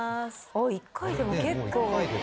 あっ１回でも結構。